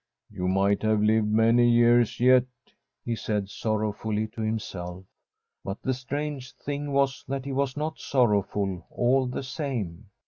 ' You might have lived many years yet,' he said sorrowfully to himself. But the strange thing was that he was not sorrowful, all the same.